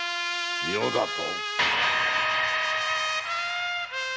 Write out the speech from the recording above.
「余」だと？